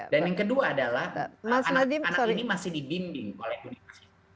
dan yang kedua adalah anak anak ini masih dibimbing oleh universitas